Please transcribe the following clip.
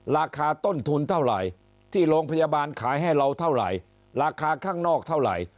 ราคาต้นทุนเท่าไหร่ที่โรงพยาบาลขายให้เราเท่าไหร่ราคาข้างนอกเท่าไหร่